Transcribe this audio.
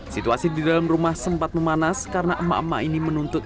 situasi di dalam rumah sempat memanas karena emak emak ini menuntut